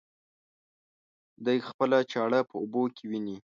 دى خپله چاړه په اوبو کې ويني.